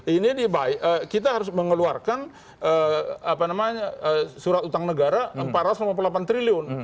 ini kita harus mengeluarkan surat utang negara rp empat ratus lima puluh delapan triliun